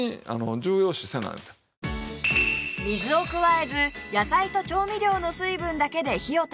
水を加えず野菜と調味料の水分だけで火を通します